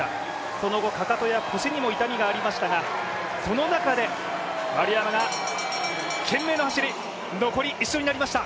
その後かかとや腰にも痛みがありましたが、その中で丸山が懸命な走り、残り１周になりました。